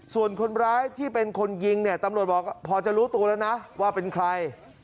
ส่วนคนร้ายที่เป็นคนยิงเนี่ยตำรวจบอกพอจะรู้ตัวแล้วนะว่าเป็นใคร